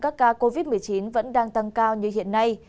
các ca covid một mươi chín vẫn đang tăng cao như hiện nay